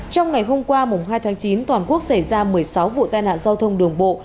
trong ngày hôm qua hai tháng chín toàn quốc xảy ra một mươi sáu vụ tai nạn giao thông đường bộ